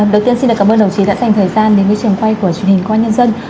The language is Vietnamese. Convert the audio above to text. đầu tiên xin cảm ơn đồng chí đã dành thời gian đến với trường quay của truyền hình công an nhân dân